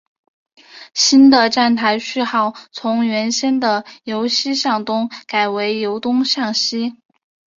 新的站台序号从原先的由西向东改为由东向西。